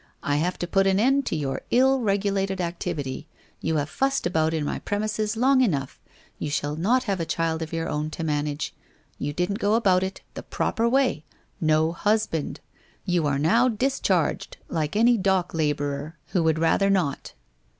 I have to put an end to your ill regulated activity, you have fussed about in my premises long enough, you shall not have a child of your own to manage. You didn't go about it the proper way — no husband ! You are now discharged, like any dock labourer who would rather not.